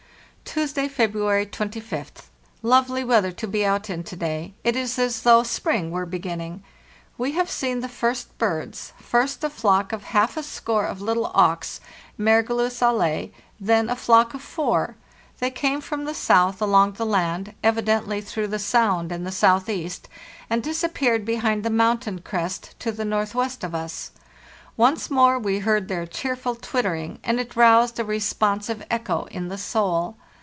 "Tuesday, February 25th. Lovely weather to be out in to day; it is as though spring were beginning. We have seen the first birds—first a flock of half a score of little auks (Wergulus alle), then a flock of four; they came from the south along the land, evidently through the sound in the southeast, and disappeared behind the mountain crest to the northwest of us. Once more we heard their cheerful twittering, and it roused a respon sive echo in the soul.